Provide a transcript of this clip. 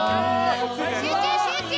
集中集中！